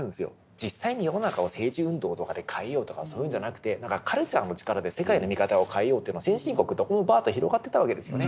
実際に世の中を政治運動とかで変えようとかそういうんじゃなくて何かカルチャーの力で世界の見方を変えようというのは先進国どこもバーッと広がってたわけですよね。